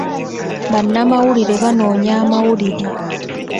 Bannamawulire banoonya amawulire.